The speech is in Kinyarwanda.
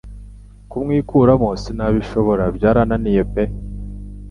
Kumwikuramo sinabishobora byarananiye pe